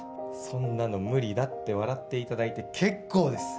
そんなの無理だって笑っていただいて結構です。